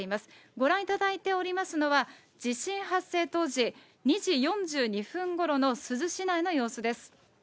ご覧いただいておりますのは、地震発生当時、２時４２分ごろの珠洲市内の様子です。